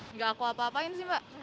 nggak aku apa apain sih pak